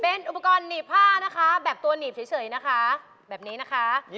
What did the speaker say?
เป็นอุปกรณ์หนีบผ้านะคะแบบตัวหนีบเฉยนะคะแบบนี้นะคะ